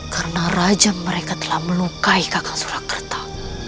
karena rajam mereka telah melukai kakak surakerta